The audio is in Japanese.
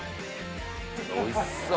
おいしそう！